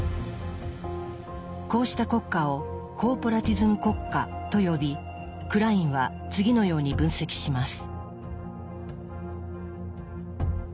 こうした国家を「コーポラティズム国家」と呼びクラインは次のように分析します。